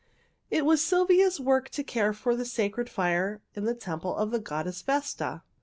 "It was Sylvia's work to care for the sacred fire in the temple of the goddess Vesta.